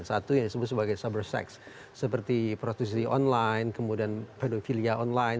satu yang disebut sebagai cyber sex seperti prostitusi online kemudian pedofilia online